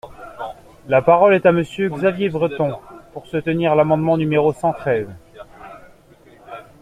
La parole est à Monsieur Xavier Breton, pour soutenir l’amendement numéro cent treize.